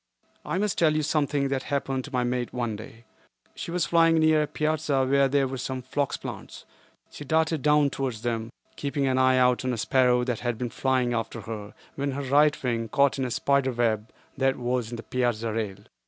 I must tell you of something that happened to my mate one day. She was flying near a piazza where there were some phlox plants. She darted down towards them, keeping an eye out on a sparrow that had been flying after her, when her right wing caught in a spider web that was in the piazza rail.